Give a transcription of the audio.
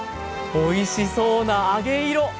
おいしそうな揚げ色！